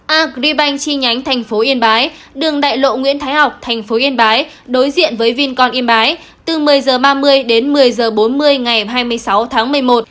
agribank chi nhánh tp yên bái đường đại lộ nguyễn thái học tp yên bái đối diện với vincon yên bái từ một mươi h ba mươi đến một mươi h bốn mươi ngày hai mươi sáu tháng một mươi một